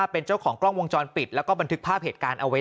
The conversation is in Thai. เป็นเจ้าของกล้องวงจรปิดแล้วก็บันทึกภาพเหตุการณ์เอาไว้